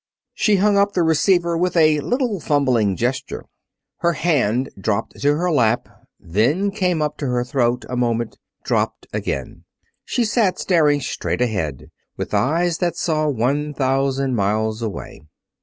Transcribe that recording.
She hung up the receiver with a little fumbling gesture. Her hand dropped to her lap, then came up to her throat a moment, dropped again. She sat staring straight ahead with eyes that saw one thousand miles away.